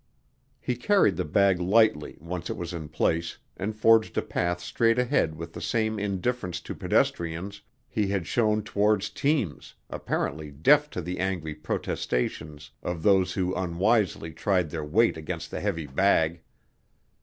He carried the bag lightly once it was in place and forged a path straight ahead with the same indifference to pedestrians he had shown towards teams, apparently deaf to the angry protestations of those who unwisely tried their weight against the heavy bag.